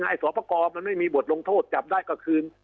ไอ้สวพกรมันไม่มีบทลงโทษจับได้ก็คืน